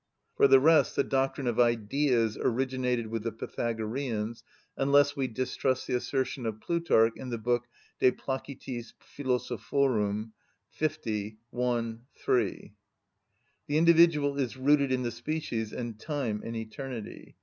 For the rest, the doctrine of Ideas originated with the Pythagoreans, unless we distrust the assertion of Plutarch in the book, De placitis philosophorum, L. i. c. 3. The individual is rooted in the species, and time in eternity.